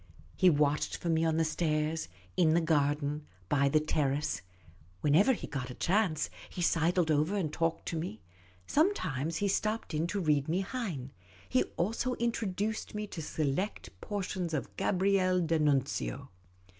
He watched The Supercilious Attache 49 for me on the stairs, in the garden, by the terrace ; when ever he got a chance, he sidled over and talked to nie. Sometimes he stopped in to read me Heine : he also intro duced me to select portions of Gabriele d'Annunzio.